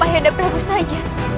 ayah dabrabu saja